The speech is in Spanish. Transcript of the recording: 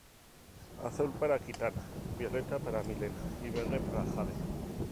Azul para Kitana, violeta para Mileena y verde para Jade.